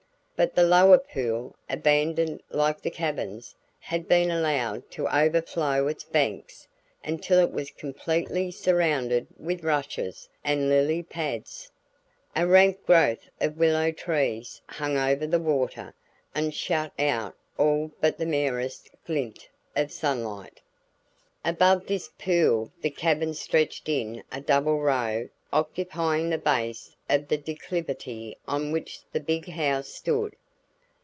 But the lower pool, abandoned like the cabins, had been allowed to overflow its banks until it was completely surrounded with rushes and lily pads. A rank growth of willow trees hung over the water and shut out all but the merest glint of sunlight. Above this pool the cabins stretched in a double row occupying the base of the declivity on which the "big house" stood.